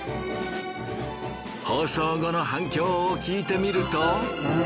放送後の反響を聞いてみると。